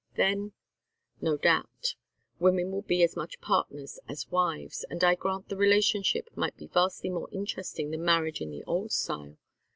Then now, no doubt women will be as much partners as wives, and I grant the relationship might be vastly more interesting than marriage in the old style.